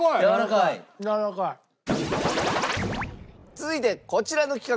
続いてこちらの企画！